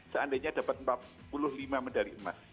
seandainya dapat empat puluh lima medali emas